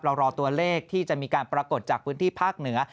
รอตัวเลขที่จะมีการปรากฏจากพื้นที่ภาคเหนือ